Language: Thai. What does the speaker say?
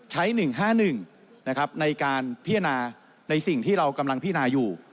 ๑๕๑ในการพิจารณาในสิ่งที่เรากำลังพินาอยู่